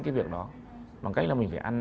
cái việc đó bằng cách là mình phải ăn